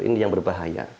ini yang berbahaya